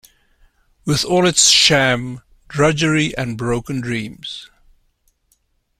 With all its sham, drudgery and broken dreams